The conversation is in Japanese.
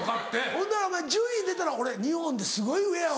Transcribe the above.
ほんならお前順位出たら「俺日本ですごい上や」。